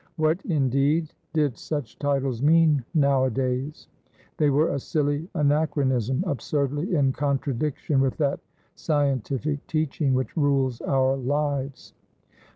What, in deed, did such titles mean nowadays? They were a silly anachronism, absurdly in contradiction with that scientific teaching which rules our lives.